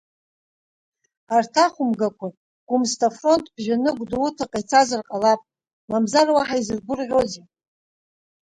Арҭ ахәымгақәа Гәымсҭа афронт ԥжәаны Гәдоуҭаҟа ицазар ҟалап, мамзар уаҳа изыргәырӷьозеи!